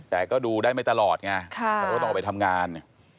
แต่ก็ดูได้ไม่ตลอดไงเขาก็ต้องออกไปทำงาน